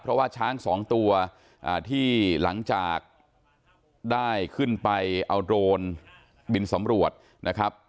เพราะว่าช้างสองตัวที่หลังจากได้ขึ้นไปเอาโดรนบินสำรวจนะครับ